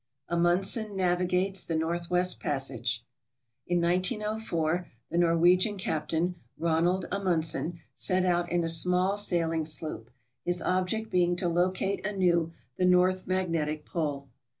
Amundsen Navigates the Northwest Passage In 1904 the Norwegian Capt. Ronald Amundsen set out in a small sailing sloop, his object being to locate anew the north magnetic pole.